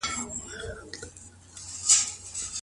د دعاګانو ويل په مرکه کي څه اغېز لري؟